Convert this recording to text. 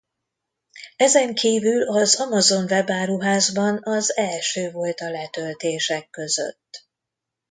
Ezen kívül az Amazon webáruházban az első volt a letöltések között.